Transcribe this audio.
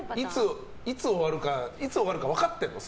いつ終わるか分かってるの？